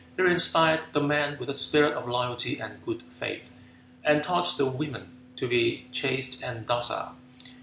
He inspired the men with a spirit of loyalty and good faith, and taught the women to be chaste and docile.